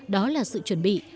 đó là sự chuẩn bị